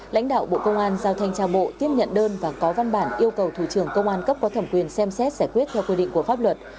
lãnh đạo bộ công an giao thanh trao bộ tiếp nhận đơn và có văn bản yêu cầu thủ trưởng công an cấp có thẩm quyền xem xét giải quyết theo quy định của pháp luật